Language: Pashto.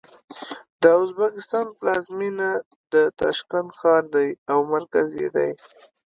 د ازبکستان پلازمېنه د تاشکند ښار دی او مرکز یې دی.